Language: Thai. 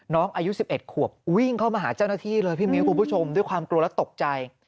น้องอายุ๑๑ขวบวิ่งเข้ามาหาเจ้าหน้าที่เลยพี่มิ้วคุณผู้ชมด้วยความกลัวและตกใจ